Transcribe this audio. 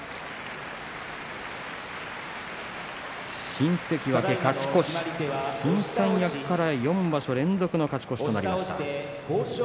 新関脇勝ち越し新三役から４場所連続の勝ち越しとなりました。